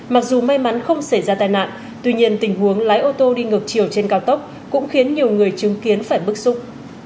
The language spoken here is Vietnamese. mặc dù may mắn không xảy ra tai nạn tuy nhiên tình huống lái ô tô đi ngược chiều trên cao tốc cũng khiến nhiều người chứng kiến phải bức xúc